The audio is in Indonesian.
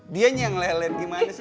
dianya yang lelet gimana sih